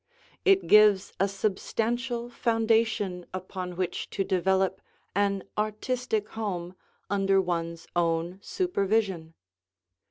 It gives a substantial foundation upon which to develop an artistic home under one's own supervision.